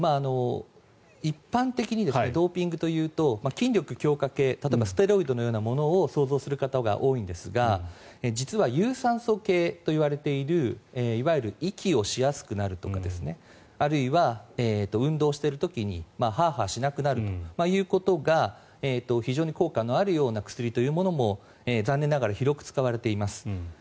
一般的にドーピングというと筋力強化系例えばステロイドのようなものを想像する方が多いんですが実は有酸素系といわれているいわゆる息をしやすくなるとかあるいは運動している時にはあはあしなくなるということが非常に効果のあるような薬というものも残念ながら広く使われています。